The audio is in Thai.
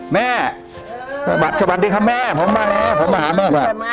แม่สวัสดีครับแม่ผมมาแล้วผมมาหาแม่มา